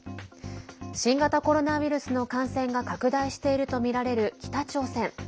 新型コロナウイルスの感染が拡大しているとみられる北朝鮮。